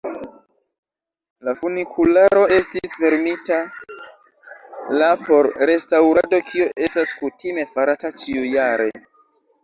La funikularo estis fermita la por restaŭrado, kio estas kutime farata ĉiujare.